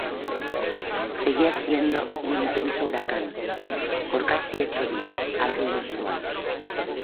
Seguía siendo un intenso huracán por casi ocho días, algo inusual.